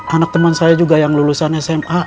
anak teman saya juga yang lulusan sma